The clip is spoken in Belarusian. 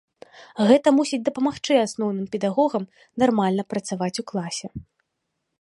Гэта мусіць дапамагчы асноўным педагогам нармальна працаваць у класе.